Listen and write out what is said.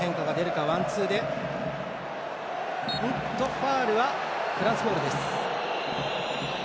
ファウルはフランスボールです。